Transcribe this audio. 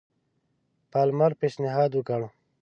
پالمر پېشنهاد وکړ.